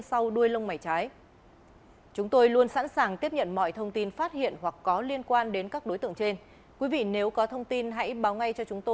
xin chào các bạn